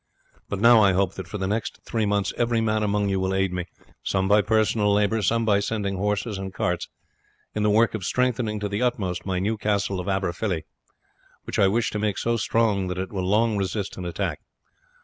But now I hope that for the next three months every man among you will aid me some by personal labour, some by sending horses and carts in the work of strengthening to the utmost my new castle of Aberfilly, which I wish to make so strong that it will long resist an attack.